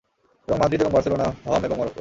এবং মাদ্রিদ এবং বার্সেলোনা হম এবং মরক্কো।